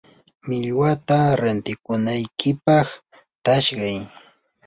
millwata rantikunaykipaq taqshay.